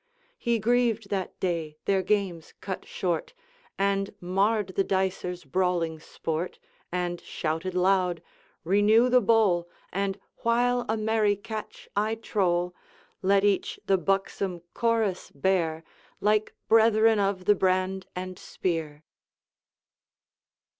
He grieved that day their games cut short, And marred the dicer's brawling sport, And shouted loud, 'Renew the bowl! And, while a merry catch I troll, Let each the buxom chorus bear, Like brethren of the brand and spear.'